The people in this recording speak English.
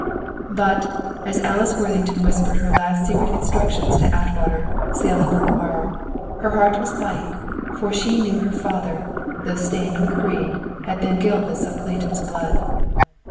But, as Alice Worthington whispered her last secret instructions to Atwater, sailing on the morrow, her heart was light, for she knew her father, though stained with greed, had been guiltless of Clayton's blood.